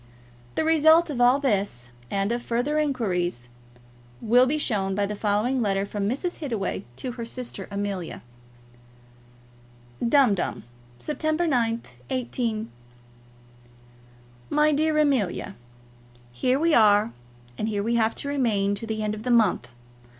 The result of all this, and of further inquiries, will be shown by the following letter from Mrs. Hittaway to her sister Amelia: Dumdum, 9th September, 18 . MY DEAR AMELIA, Here we are, and here we have to remain to the end of the month.